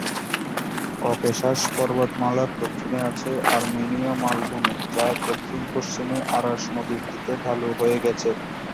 Caucasus পর্বতমালার দক্ষিণে আছে আর্মেনীয় মালভূমি, যা দক্ষিণ-পশ্চিমে আরাস নদীর দিকে ঢালু হয়ে গেছে।